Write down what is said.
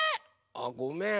あごめん。